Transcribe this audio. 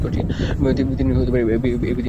তিনি অ্যাবি থিয়েটারে কাজ করতেন।